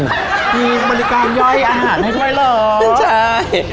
มีบริการย่อยอาหารให้ด้วยเหรอใช่